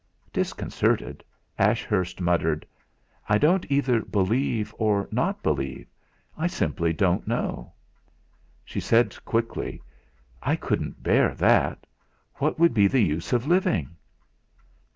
Disconcerted, Ashurst muttered: "I don't either believe or not believe I simply don't know." She said quickly: "I couldn't bear that. What would be the use of living?"